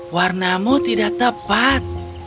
warnamu tidak tepat